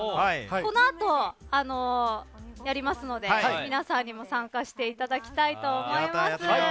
この後やりますので皆さんにも参加していただきたいと思います。